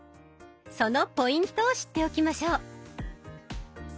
そのポイントを知っておきましょう。